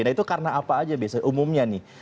nah itu karena apa aja biasanya umumnya nih